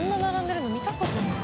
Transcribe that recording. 襪見たことない。